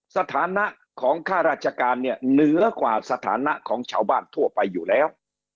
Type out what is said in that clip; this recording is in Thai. สถานะของข้าราชการเนี่ยเหนือกว่าสถานะของชาวบ้านทั่วไปอยู่แล้ว